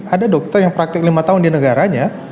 ada dokter yang praktik lima tahun di negaranya